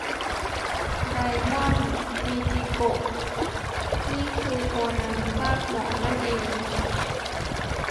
ไดมอน มิจิโกะ นี่คือโคนันภาคหมอนั่นเอง